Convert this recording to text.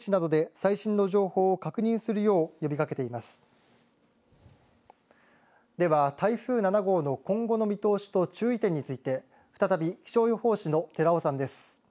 航空各社はでは台風７号の今後の見通しと注意点について再び気象予報士の寺尾さんです。